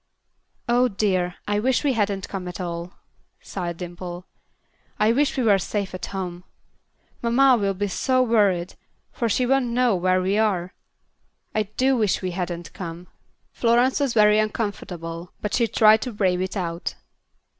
"Oh, dear! I wish we hadn't come at all," sighed Dimple. "I wish we were safe at home. Mamma will be so worried, for she won't know where we are. I do wish we hadn't come." Florence was very uncomfortable, but she tried to brave it out.